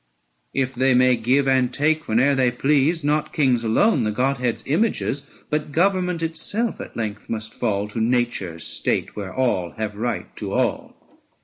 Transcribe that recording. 790 If they may give and take whene'er they please, Not kings alone, the Godhead's images, But government itself at length must fall To nature's state, where all have right to all.